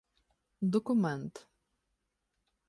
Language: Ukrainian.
-Документ.